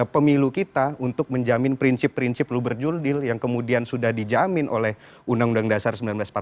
pemilu kita untuk menjamin prinsip prinsip luber juldil yang kemudian sudah dijamin oleh undang undang dasar seribu sembilan ratus empat puluh lima